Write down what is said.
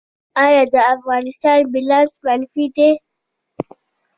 آیا د افغانستان بیلانس منفي دی؟